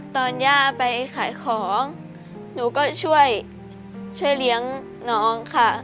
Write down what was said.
ย่าไปขายของหนูก็ช่วยเลี้ยงน้องค่ะ